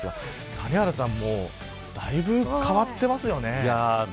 谷原さんもだいぶ変わってますよね。